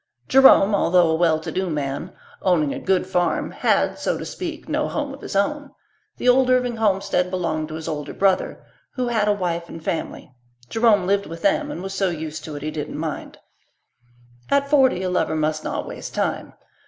Jerome, although a well to do man, owning a good farm, had, so to speak, no home of his own. The old Irving homestead belonged to his older brother, who had a wife and family. Jerome lived with them and was so used to it he didn't mind. At forty a lover must not waste time.